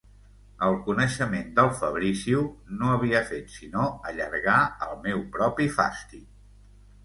El coneixement del Fabrizio no havia fet sinó allargar el meu propi fàstic.